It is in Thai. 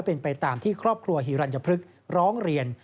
เป็นไปตามที่ครอบครัวฮิรัญพฤกษ์ร้องเรียน